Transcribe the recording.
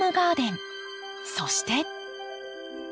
そして。